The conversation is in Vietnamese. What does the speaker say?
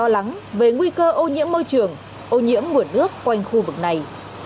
lo lắng về nguy cơ ô nhiễm môi trường ô nhiễm nguồn nước quanh khu vực này